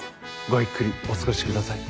ごゆっくりお過ごしください。